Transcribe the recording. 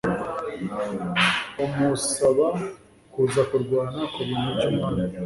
amusaba kuza kurwana ku bintu by'umwami